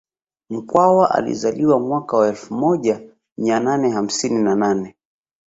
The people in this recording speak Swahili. Mkwawa alizaliwa mwaka wa elfu moja mia nane hamsini na nane